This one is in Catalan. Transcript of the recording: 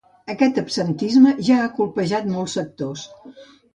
Aquest absentisme ja ha colpejat molts sectors.